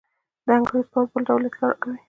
د انګرېز پوځ بل ډول اطلاع راکوي.